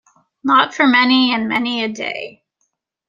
Not for many and many a day.